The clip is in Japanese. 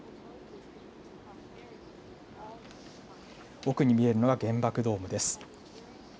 奥に見えるのが原爆ドームです。